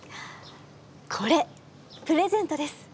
これプレゼントです。え？